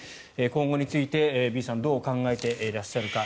今後についてＢさんはどう考えていらっしゃるか。